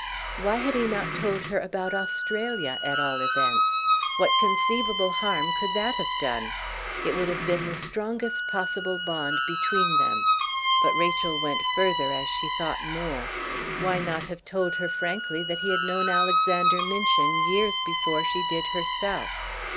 Why had he not told her about Australia, at all events? What conceivable harm could that have done? It would have been the strongest possible bond between them. But Rachel went further as she thought more. Why not have told her frankly that he had known Alexander Minchin years before she did herself?